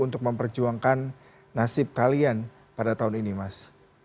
untuk memperjuangkan nasib kalian pada tahun ini mas